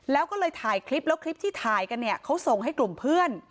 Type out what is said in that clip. แล้วก็เลยถ่ายคลิปแล้วคลิปที่ถ่ายกันเนี่ยเขาส่งให้กลุ่มเพื่อน